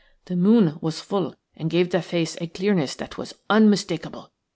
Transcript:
The moon was full, and gave the face a clearness that was unmistakable.